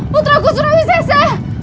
putraku surah wisese